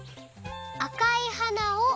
「あかいはなを」